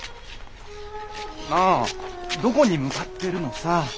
なあどこに向かってるのさ？